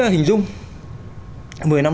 hình dung một mươi năm